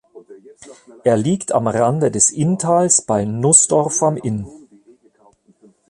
Er liegt am Rande des Inntals bei Nußdorf am Inn.